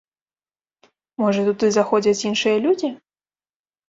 Можа, туды заходзяць іншыя людзі?